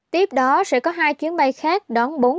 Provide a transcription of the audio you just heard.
tiếp đó sẽ có hai chuyến bay khác đón bốn trăm linh người dân